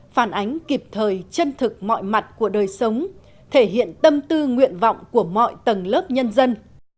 phản ánh kịp thời chân thực mọi mặt của đời sống thể hiện tâm tư nguyện vọng của mọi tầng lớp nhân dân